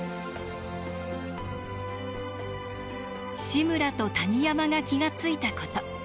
志村と谷山が気が付いたこと。